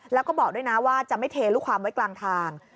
แล้วก็บอกด้วยนะว่าจะไม่เทลูกความไว้กลางทาง